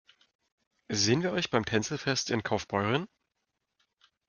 Sehen wir euch beim Tänzelfest in Kaufbeuren?